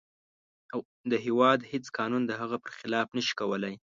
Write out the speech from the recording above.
د هیواد هیڅ قانون د هغه پر خلاف نشي کولی.